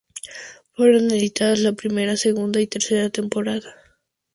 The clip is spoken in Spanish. Fueron editadas la primera, segunda y tercera temporada.